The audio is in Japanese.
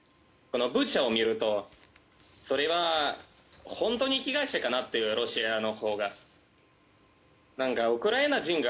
ブチャを見ると本当に被害者かなってロシアのほうが。